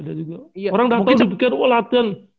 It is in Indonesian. mungkin orang datang di pikir oh latihan